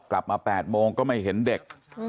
กลับมา๘โมงก็ไม่เห็นเด็ก